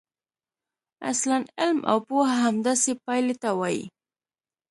اصلاً علم او پوهه همداسې پایلې ته وايي.